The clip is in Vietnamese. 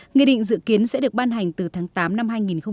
nghị định dự kiến sẽ được ban hành từ tháng tám năm hai nghìn hai mươi